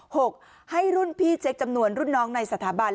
หกให้รุ่นพี่เช็คจำนวนรุ่นน้องในสถาบัน